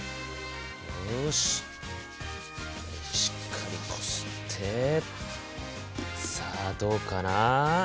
よししっかりこすってさあどうかな？